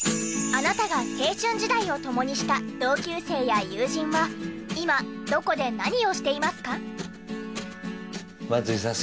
あなたが青春時代を共にした同級生や友人は今どこで何をしていますか？